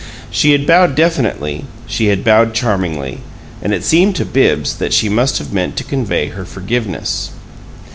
She had bowed definitely; she had bowed charmingly. And it seemed to Bibbs that she must have meant to convey her forgiveness.